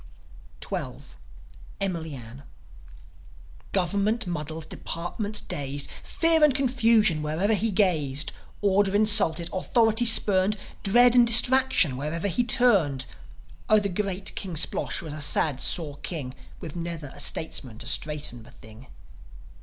XII. EMILY ANN Government muddles, departments dazed, Fear and confusion wherever he gazed; Order insulted, authority spurned, Dread and distraction wherever he turned Oh, the great King Splosh was a sad, sore king, With never a statesman to straighten the thing.